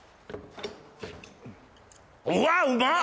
うわうまっ！